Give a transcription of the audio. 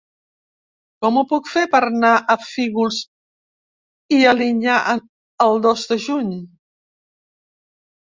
Com ho puc fer per anar a Fígols i Alinyà el dos de juny?